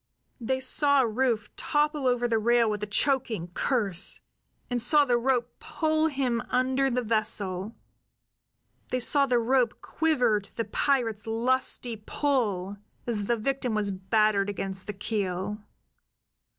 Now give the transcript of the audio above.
They saw Rufe topple over the rail with a choking curse, and saw the rope pull him under the vessel; they saw the rope quiver to the pirates' lusty pull as the victim was battered against the keel.